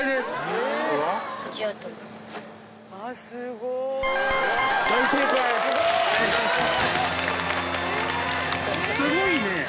すごいね！